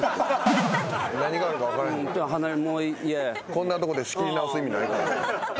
こんなとこで仕切り直す意味ない。